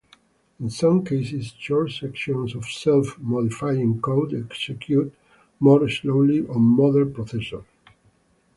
In some cases short sections of self-modifying code execute more slowly on modern processors.